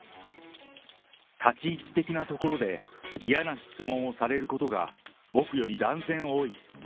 立ち位置的なところで嫌な質問をされることが僕より断然多い。